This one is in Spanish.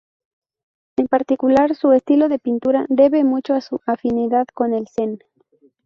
En particular, su estilo de pintura debe mucho a su afinidad con el Zen.